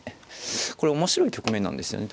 これ面白い局面なんですよね。